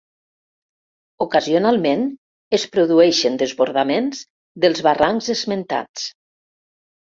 Ocasionalment es produïxen desbordaments dels barrancs esmentats.